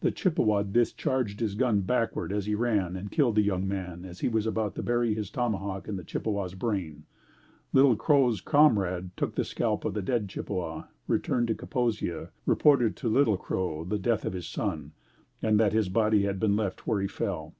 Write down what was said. The Chippewa discharged his gun backward as he ran and killed the young man as he was about to bury his tomahawk in the Chippewa's brain. Little Crow's comrade took the scalp of the dead Chippewa, returned to Kaposia, reported to Little Crow the death of his son and that his body had been left where he fell.